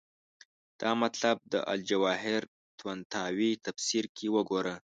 دا مطلب د الجواهر طنطاوي تفسیر کې وګورو.